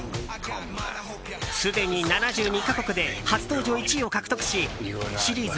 すでに７２か国で初登場１位を獲得しシリーズ